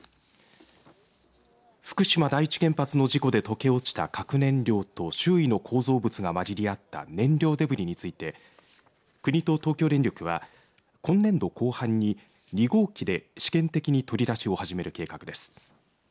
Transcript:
福島第一原発の事故で溶け落ちた核燃料と周囲の構造物が混じり合った燃料デブリについて国と東京電力は今年度後半に２号機で試験的に取り出しを始める計画です。